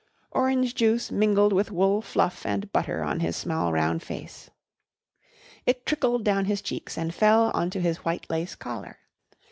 Orange juice mingled with wool fluff and butter on his small round face. It trickled down his cheeks and fell on to his white lace collar.